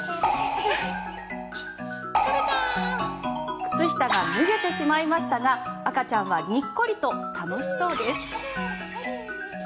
靴下が脱げてしまいましたが赤ちゃんは、にっこりと楽しそうです。